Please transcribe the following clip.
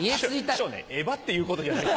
師匠ねえばって言うことじゃない。